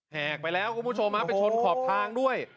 แหกไปแล้วคุณผู้ชมไปชนขอบทางด้วย